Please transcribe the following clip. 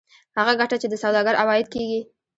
هغه ګټه چې د سوداګر عواید کېږي